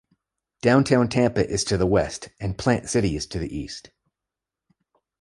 Downtown Tampa is to the west, and Plant City is to the east.